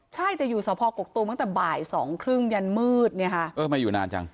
ใช่แต่อยู่สพกกตูมตั้งแต่บ่ายสองครึ่งยันมืดเนี่ยค่ะเออมาอยู่นานจัง